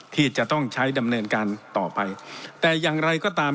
ที่จะต้องใช้ดำเนินการต่อไปแต่อย่างไรก็ตาม